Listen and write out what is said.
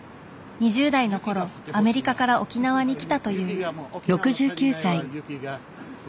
２０代の頃アメリカから沖縄に来たという。